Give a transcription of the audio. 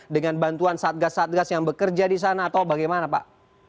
dengan bantuan satgas satgas yang bekerja di sana atau bagaimana pak